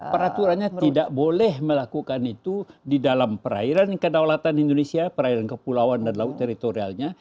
peraturannya tidak boleh melakukan itu di dalam perairan kedaulatan indonesia perairan kepulauan dan laut teritorialnya